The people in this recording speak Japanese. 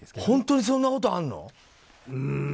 本当にそんなことあるの？